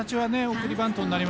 送りバント成功。